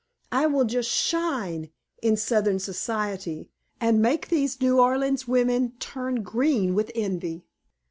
I will just shine in Southern society, and make these New Orleans women turn green with envy.